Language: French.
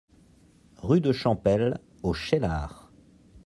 Rue de Champel au Cheylard